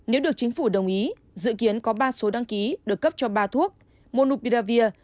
nếu được chính phủ đồng ý dự kiến có ba số đăng ký được cấp cho ba thuốc monubiravir